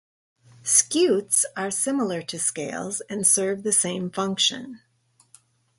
Scutes are similar to scales and serve the same function.